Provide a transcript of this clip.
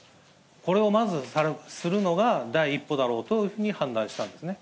これをまずするのが、第一歩だろうというふうに判断したんですね。